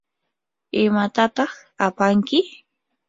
¿imatataq apanki?